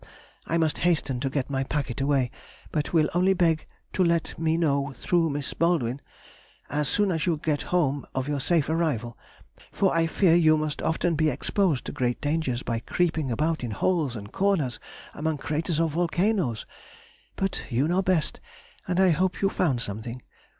I must hasten to get my packet away, but will only beg to let me know through Miss Baldwin as soon as you get home of your safe arrival, for I fear you must often be exposed to great dangers by creeping about in holes and corners among craters of volcanoes, but you know best, and I hope you found something....